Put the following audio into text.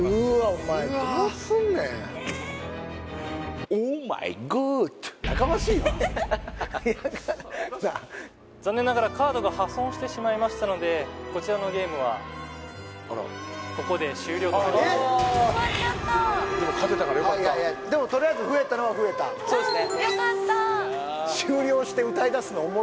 おまえどうすんねんしてしまいましたのでこちらのゲームはここで終了となります終わっちゃったでも勝てたからよかったでもとりあえず増えたのは増えたうんよかったそうですね